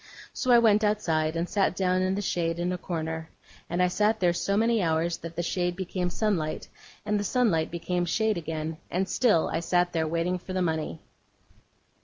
So I went outside, and sat down in the shade in a corner. And I sat there so many hours, that the shade became sunlight, and the sunlight became shade again, and still I sat there waiting for the money.